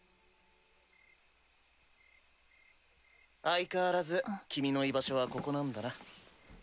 ・相変わらず君の居場所はここなんだな。